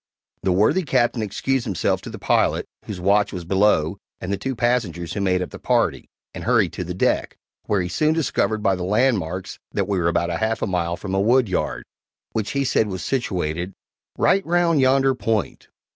The worthy Captain excused himself to the pilot whose watch was below and the two passengers who made up the party, and hurried to the deck, where he soon discovered by the landmarks that we were about half a mile from a woodyard, which he said was situated "right round yonder point."